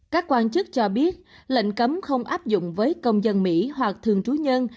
các quan chức cho biết lệnh cấm không áp dụng với công dân mỹ hoặc thường trú nhân